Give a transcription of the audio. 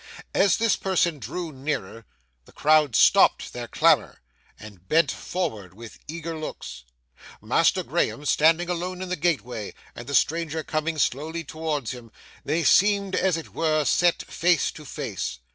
As this person drew nearer, the crowd stopped their clamour, and bent forward with eager looks. Master Graham standing alone in the gateway, and the stranger coming slowly towards him, they seemed, as it were, set face to face.